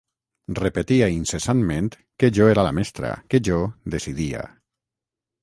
Repetia incessantment que jo era la mestra, que jo decidia...